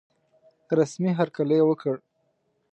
رسمي هرکلی وکړ.